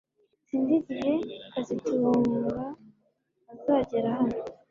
Sinzi igihe kazitunga azagera hano